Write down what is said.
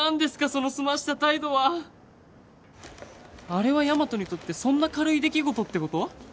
その澄ました態度はあれはヤマトにとってそんな軽い出来事ってこと？